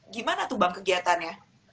gimana tuh bang kegiatannya